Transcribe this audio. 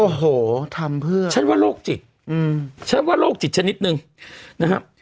โอ้โหทำเพื่อฉันว่าโรคจิตอืมฉันว่าโรคจิตชนิดนึงนะครับ